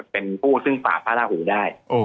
เป็นผู้ซึ่งฝากพระราหูได้